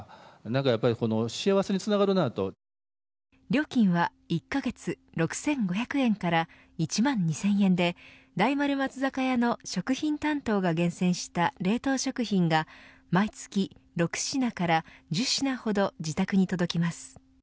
料金は１カ月６５００円から１万２０００円で、大丸松坂屋の食品担当が厳選した冷凍食品が毎月６品から１０品ほど自宅に届きます。